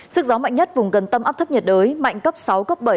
sức gió mạnh nhất vùng gần tâm áp thấp nhiệt đới mạnh cấp sáu cấp bảy